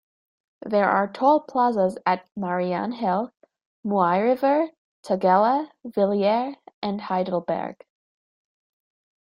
There are toll plazas at Marianhill, Mooiriver, Tugela, Villiers and Heidelberg.